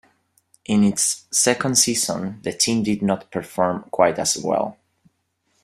In its second season, the team did not perform quite as well.